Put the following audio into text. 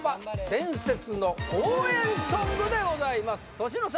伝説の応援ソングでございます年の差！